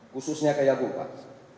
khususnya kayuagung pak